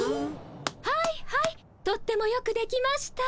はいはいとってもよくできました。